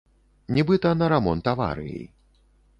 Нібыта, на рамонт аварыі.